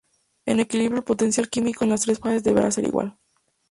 En equilibrio el potencial químico en las tres fases deberá ser igual.